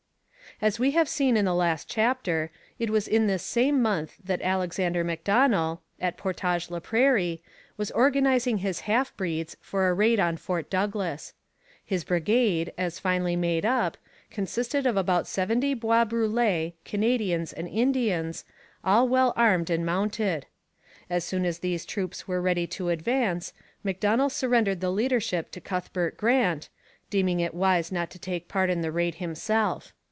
As we have seen in the last chapter, it was in this same month that Alexander Macdonell, at Portage la Prairie, was organizing his half breeds for a raid on Fort Douglas. His brigade, as finally made up, consisted of about seventy Bois Brûlés, Canadians, and Indians, all well armed and mounted. As soon as these troopers were ready to advance, Macdonell surrendered the leadership to Cuthbert Grant, deeming it wise not to take part in the raid himself.